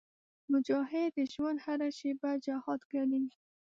مجاهد د ژوند هره شېبه جهاد ګڼي.